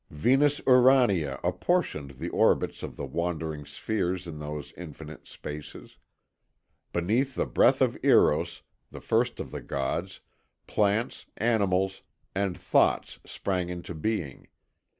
Venus Urania apportioned the orbits of the wandering spheres in those infinite spaces. Beneath the breath of Eros the first of the gods, plants, animals, and thoughts sprang into being.